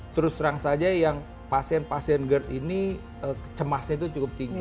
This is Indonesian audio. terus terang saja yang pasien pasien gerd ini cemasnya itu cukup tinggi